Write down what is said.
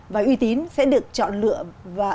và uy tín sẽ được chọn lựa